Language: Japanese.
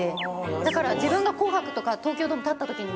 だから自分が『紅白』とか東京ドーム立った時に。